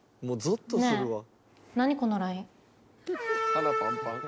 鼻パンパン。